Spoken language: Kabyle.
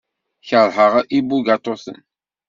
Keṛheɣ ibugaṭuten.